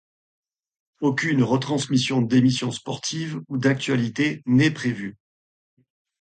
Aucune retransmission d'émissions sportives ou d'actualité n'est prévue.